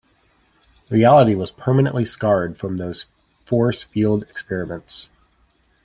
Reality was permanently scarred from those force field experiments.